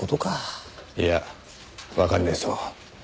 いやわかんねえぞ。